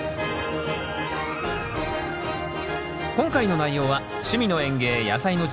今回の内容は「趣味の園芸やさいの時間」